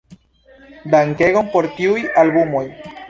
Dankegon por tiuj albumoj!